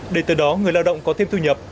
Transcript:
để từ đó người lao động có thêm thu nhập